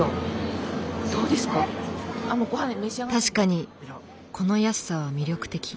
確かにこの安さは魅力的。